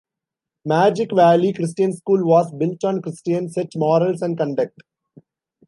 Magic Valley Christian School was built on Christian set morals and conduct.